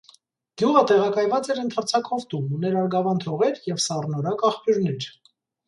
Գյուղը տեղակայված էր ընդարձակ հովտում, ուներ արգավանդ հողեր և սառնորակ աղբյուրներ։